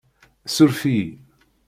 Surf-iyi